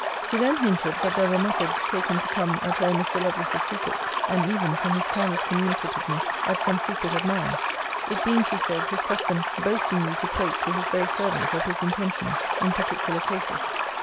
She then hinted, That there were methods taken to come at all Mr. Lovelace's secrets, and even, from his careless communicativeness, at some secret of mine; it being, she said, his custom, boastingly to prate to his very servants of his intentions, in particular cases.